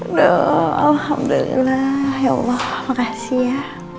alhamdulillah ya allah makasih ya